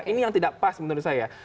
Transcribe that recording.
ini yang tidak pas menurut saya